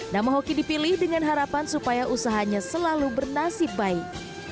nama hoki dipilih dengan harapan supaya usahanya selalu bernasib baik